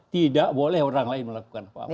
tidak boleh orang lain melakukan apa apa